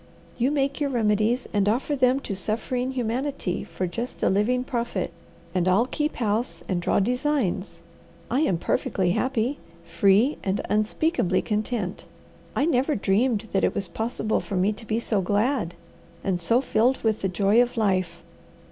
You make your remedies and offer them to suffering humanity for just a living profit, and I'll keep house and draw designs. I am perfectly happy, free, and unspeakably content. I never dreamed that it was possible for me to be so glad, and so filled with the joy of life.